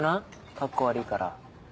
カッコ悪いから。